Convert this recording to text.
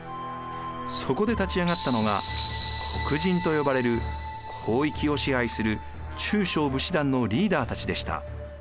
そこで立ち上がったのが国人と呼ばれる広域を支配する中小武士団のリーダーたちでした。